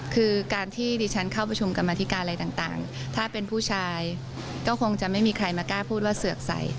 คือการที่ดิฉันเข้าประชุมกรรมธิการอะไรต่างถ้าเป็นผู้ชายก็คงจะไม่มีใครมากล้าพูดว่าเสือกใส